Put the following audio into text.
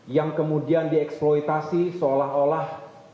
yang kemudian dieksploitasi seolah olah